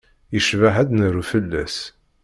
Yecbaḥ ad d-naru fell-as.